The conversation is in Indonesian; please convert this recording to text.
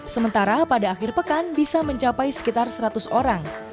sementara pada akhir pekan bisa mencapai sekitar seratus orang